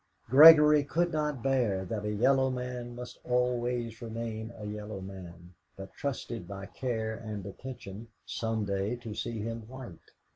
Gregory could not bear that a yellow man must always remain a yellow man, but trusted by care and attention some day to see him white.